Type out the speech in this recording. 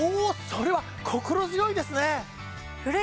それは心強いですね！